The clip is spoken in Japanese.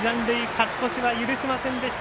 勝ち越しは許しませんでした。